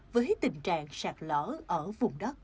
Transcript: với tình trạng sạt lở ở vùng đất